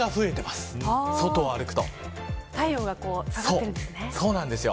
太陽が下がっているんですね。